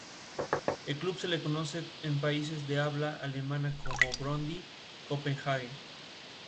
Situado en la isla de Mallorca, en la comarca de la Sierra de Tramontana.